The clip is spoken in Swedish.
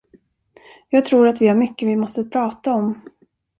Jag tror att vi har mycket vi måste prata om.